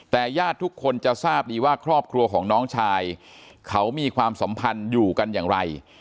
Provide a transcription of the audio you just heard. แต่ญาติทุกคนจะทราบดีว่าครอบครัวของน้องชายเขามีความสัมพันธ์อยู่กันอย่างไร